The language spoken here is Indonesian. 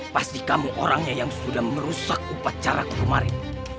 pasti kamu orangnya yang sudah merusak upacaraku kemarin